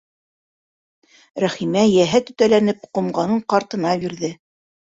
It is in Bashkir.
Рәхимә, йәһәт өтәләнеп, ҡомғанын ҡартына бирҙе.